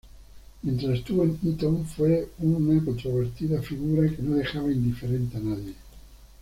Mientras estuvo en Eton, fue una controvertida figura que no dejaba indiferente a nadie.